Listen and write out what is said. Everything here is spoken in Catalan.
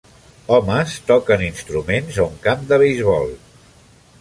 Homes toquen instruments a un camp de beisbol.